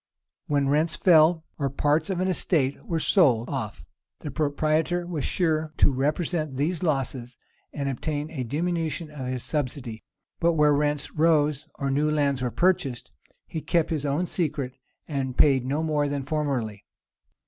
When rents fell, or parts of an estate were sold off, the proprietor was sure to represent these losses, and obtain a diminution of his subsidy; but where rents rose, or new lands were purchased, he kept his own secret, and paid no more than formerly.